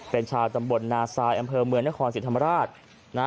เป็นชาวตำบลนาซายอำเภอเมืองนครศรีธรรมราช